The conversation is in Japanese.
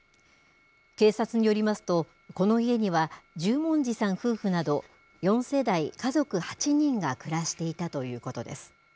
警察によりますと、この家には十文字さん夫婦など４世代家族８人が暮らしていたということです。